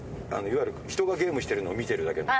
いわゆるひとがゲームしてるのを見てるだけの。